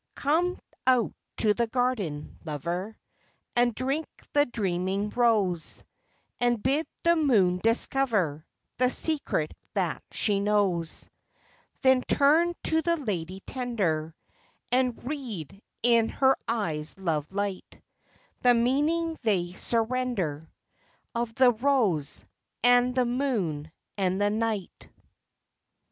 52 THE WHITE ROSE. 53 Come out to the garden, lover, And drink the dreaming rose, And bid the moon discover The secret that she knows. Then turn to the lady tender And read, in her eyes' love light, The meaning they surrender Of the rose, and the moon, and the night.